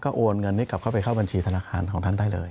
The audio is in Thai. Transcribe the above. โอนเงินนี้กลับเข้าไปเข้าบัญชีธนาคารของท่านได้เลย